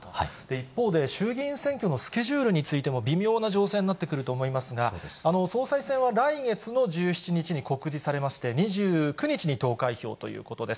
一方で、衆議院選挙のスケジュールについても微妙な情勢になってくると思いますが、総裁選は来月の１７日に告示されまして、２９日に投開票ということです。